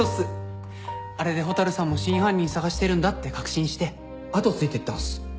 あれで蛍さんも真犯人捜してるんだって確信して後ついてったんす。